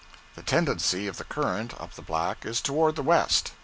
The tendency of the current up the Black is toward the west.